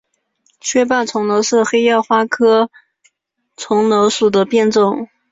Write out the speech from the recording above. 缺瓣重楼是黑药花科重楼属的变种。